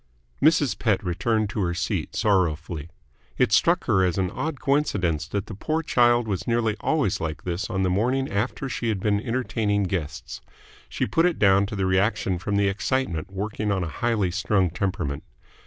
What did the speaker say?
Mrs. Pett returned to her seat, sorrowfully. It struck her as an odd coincidence that the poor child was nearly always like this on the morning after she had been entertaining guests; she put it down to the reaction from the excitement working on a highly strung temperament.